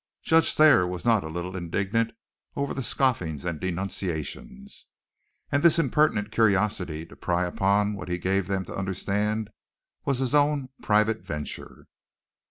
Judge Thayer was not a little indignant over the scoffings and denunciations, and this impertinent curiosity to pry upon what he gave them to understand was his own private venture.